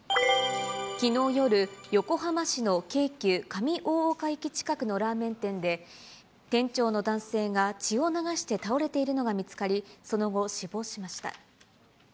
きのう夜、横浜市の京急上大岡駅近くのラーメン店で、店長の男性が血を流して倒れているのが見つかり、その後、死亡しました。